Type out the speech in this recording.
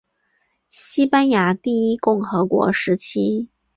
西班牙第一共和国时期。